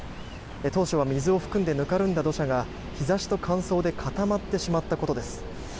当初は水を含んでぬかるんだ土砂が日差しと乾燥で固まってしまったことです。